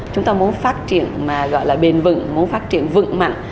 thật sự chia sẻ là việt nam mình có khoảng